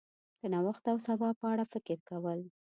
د نوښت او سبا په اړه فکر کول